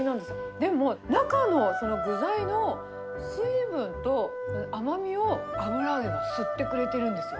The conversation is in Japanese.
でも、中の具材の水分と甘みを油揚げが吸ってくれてるんですよ。